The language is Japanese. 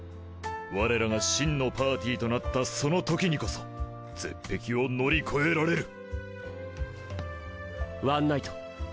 ワレらが真のパーティとなったその時にこそゼッペキを乗り越えられるワンナイト